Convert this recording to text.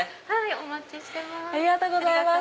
お待ちしてます。